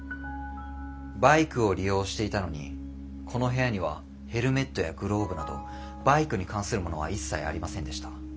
バイクを利用していたのにこの部屋にはヘルメットやグローブなどバイクに関するものは一切ありませんでした。